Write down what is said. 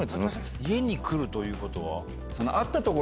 家に来るということは。